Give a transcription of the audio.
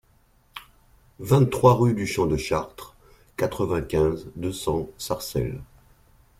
vingt-trois rue du Champ de Chartres, quatre-vingt-quinze, deux cents, Sarcelles